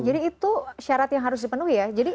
jadi itu syarat yang harus dipenuhi ya